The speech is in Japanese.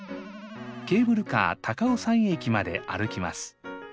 ケーブルカー高尾山駅まで歩きます。